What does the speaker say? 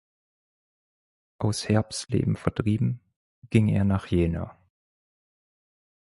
Aus Herbsleben vertrieben, ging er nach Jena.